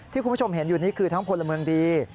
คุณผู้ชมเห็นอยู่นี้คือทั้งพลเมืองดี